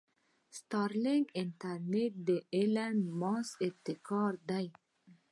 د سټارلنک انټرنټ د ايلان مسک ابتکار دې.